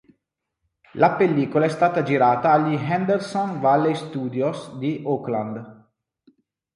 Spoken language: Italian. La pellicola è stata girata agli Henderson Valley Studios di Auckland.